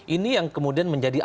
ini yang kemudian menjadi